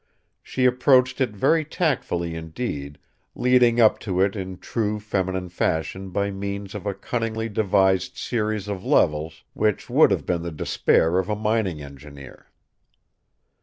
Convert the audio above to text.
She approached it very tactfully indeed, leading up to it in true feminine fashion by means of a cunningly devised series of levels which would have been the despair of a mining engineer.